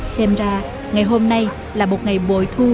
xem ra ngày hôm nay là một ngày bội thu tháng hai